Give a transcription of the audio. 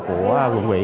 của quận quỹ